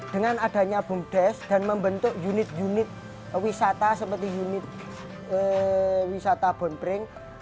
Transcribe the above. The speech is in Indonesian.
dengan adanya bumdes dan membentuk unit unit wisata seperti unit wisata bon pring